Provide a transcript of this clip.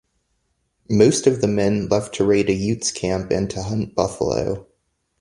Most of the men left to raid a Utes camp and to hunt buffalo.